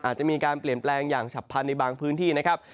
อาจจะมีการเปลี่ยนแปลงอย่างฉับพันธุ์ในบางพื้นที่นะครับ